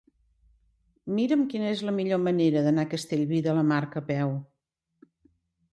Mira'm quina és la millor manera d'anar a Castellví de la Marca a peu.